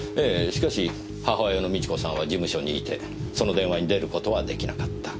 しかし母親の美智子さんは事務所にいてその電話に出る事は出来なかった。